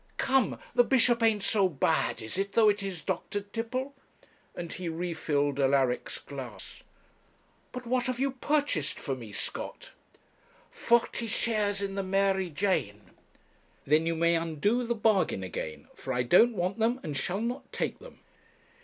Come, the bishop ain't so bad, is it, though it is doctored tipple?' and he refilled Alaric's glass. 'But what have you purchased for me, Scott?' 'Forty shares in the Mary Jane.' 'Then you may undo the bargain again, for I don't want them, and shall not take them.'